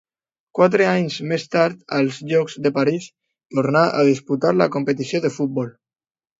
Quatre anys més tard, als Jocs de París tornà a disputar la competició de futbol.